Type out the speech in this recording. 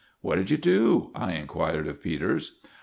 "What did you do?" I inquired of Peters.